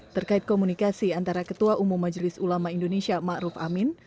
terkait komunikasi antara ketua umum majelis ulama indonesia ma'aruf amin